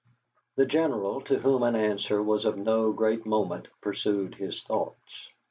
The General, to whom an answer was of no great moment, pursued his thoughts.